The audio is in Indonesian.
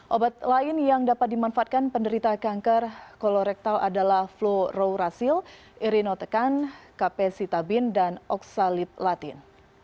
obat lain yang dapat dimanfaatkan penderita kanker kolorektal adalah flororasil irenotekan kapesitabin dan oksalib latin